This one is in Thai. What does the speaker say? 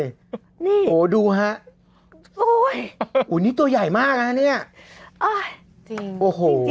นี่โอ้โฮดูฮะโอ้โฮนี่ตัวใหญ่มากน่ะเนี่ยโอ้โฮจริง